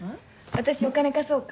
私お金貸そうか？